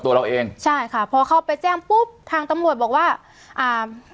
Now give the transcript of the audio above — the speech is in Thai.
ตัวเราเองใช่ค่ะพอเข้าไปแจ้งปุ๊บทางตำรวจบอกว่าอ่า